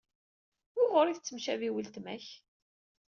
Wuɣur ay tettemcabi weltma-k?